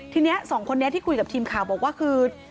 ทีนี้สองคนนี้ที่คุยกับทีมข่าวบอกว่าคือ